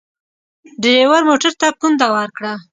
ډریور موټر ته پونده ورکړه.